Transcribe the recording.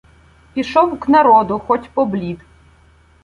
Пішов к народу, хоть поблід.